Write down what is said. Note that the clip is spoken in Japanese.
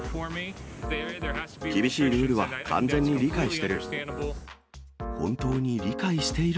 厳しいルールは完全に理解している。